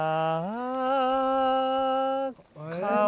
「ああ」